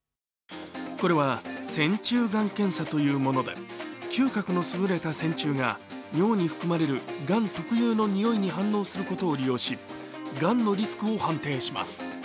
これは線虫がん検査というもので嗅覚の優れた線虫が尿に含まれるがん特有のにおいに反応することを利用しがんのリスクを判定します。